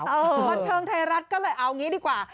บันเทิงไทยรัฐก็เลยเอางี้ดีกว่า